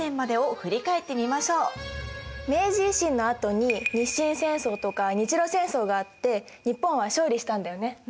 明治維新のあとに日清戦争とか日露戦争があって日本は勝利したんだよね。